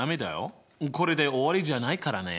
これで終わりじゃないからね。